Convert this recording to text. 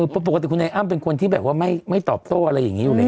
ปกติคุณไอ้อ้ำเป็นคนที่แบบว่าไม่ตอบโต้อะไรอย่างนี้อยู่แล้ว